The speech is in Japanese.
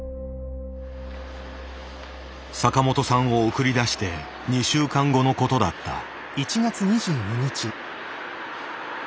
坂本さんを送り出して２週間後のことだった。